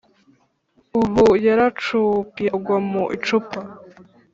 Ubu yaracupiye agwa mu icupa